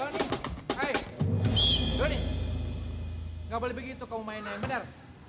nggak boleh begitu kamu main yang bener